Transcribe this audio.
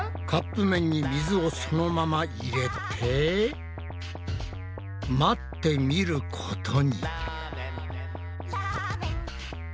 カップめんに水をそのまま入れて待ってみることに。